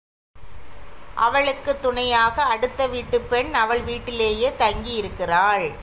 அவளுக்குத் துணையாக அடுத்த வீட்டுப் பெண் அவள் வீட்டிலேயே தங்கி இருக்கிறாள்.